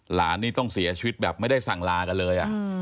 หลานนี่ต้องเสียชีวิตแบบไม่ได้สั่งลากันเลย